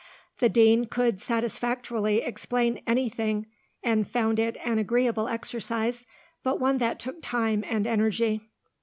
The Dean could satisfactorily explain anything, and found it an agreeable exercise, but one that took time and energy.